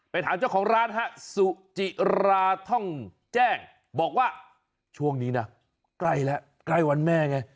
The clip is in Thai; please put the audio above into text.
ถามเจ้าของร้านฮะสุจิราท่องแจ้งบอกว่าช่วงนี้นะใกล้แล้วใกล้วันแม่ไง